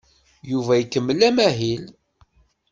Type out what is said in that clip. Yuba ikemmel amahil.